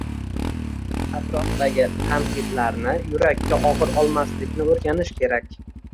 atrofdagi tanqidlarni yurakka og‘ir olmaslikni o‘rganish kerak.